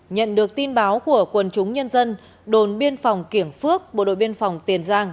nhận được tin báo của quần chúng nhân dân đồn biên phòng kiểng phước bộ đội biên phòng tiền giang